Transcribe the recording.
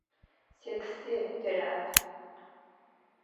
Seksi t̆eren.